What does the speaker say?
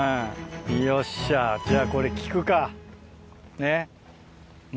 よっしゃじゃあこれ聞くかねっ。